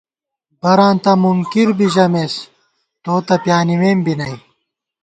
براں تہ مُنکِر بی ژَمېس تو تہ پیانِمېم بی نئ